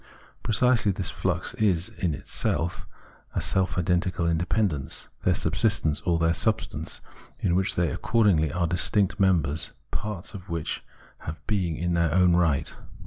Precisely this flux is itself, as self identical independence, their subsistence or their substance, in which they accordingly are distinct members, parts which have being in their own right.